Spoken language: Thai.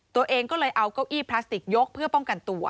ตัวเองก็เลยเอาเก้าอี้พลาสติกยกเพื่อป้องกันตัว